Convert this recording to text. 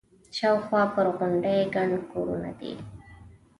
شاوخوا پر غونډۍ ګڼ کورونه دي.